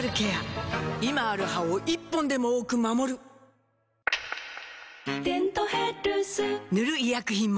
今ある歯を１本でも多く守る「デントヘルス」塗る医薬品も